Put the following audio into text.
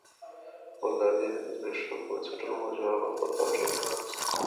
موګابي د زبېښونکو بنسټونو مجموعه په خپل کنټرول کې واخیسته.